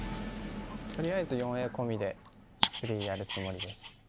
取りあえず４Ａ込みでフリーやるつもりです。